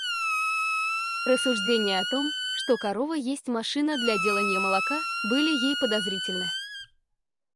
Рассуждения о том, что корова есть машина для деланья молока, были ей подозрительны.